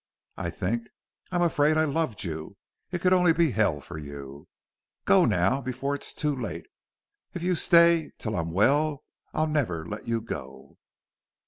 I think I'm afraid I loved you.... It could only be hell for you. Go now, before it's too late!... If you stay till I'm well I'll never let you go!"